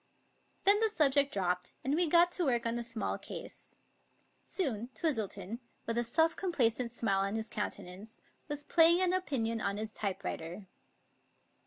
Then the subject dropped, and we got to work on a small case. Soon Twistleton, with a self complacent smile on his countenance, was playing an opinion on his typewriter.